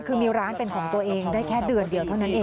คือมีร้านเป็นของตัวเองได้แค่เดือนเดียวเท่านั้นเอง